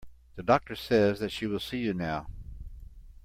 The doctor says that she will see you now.